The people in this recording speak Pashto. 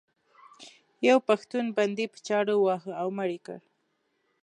یو پښتون بندي په چاړه وواهه او مړ یې کړ.